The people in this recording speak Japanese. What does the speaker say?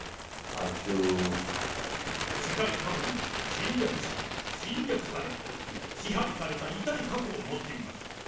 近い過去に侵略し、侵略され、支配された痛い過去を持っています。